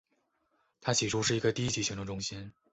它起初是一个低级行政中心。